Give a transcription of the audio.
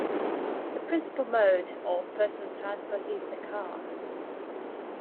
The principal mode of personal transport is the car.